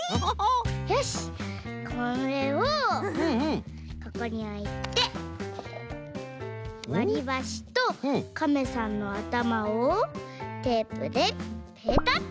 よしこれをここにおいてわりばしとカメさんのあたまをテープでペタッと。